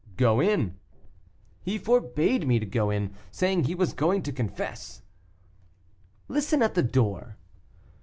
"Go in." "He forbade me to go in, saying he was going to confess." "Listen at the door."